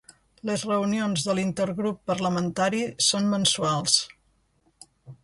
Les reunions de l'Intergrup Parlamentari són mensuals.